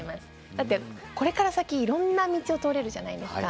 だってこれから先いろんな道を通れるじゃないですか。